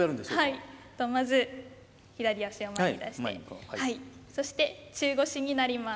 はいまず左足を前に出してそして中腰になります。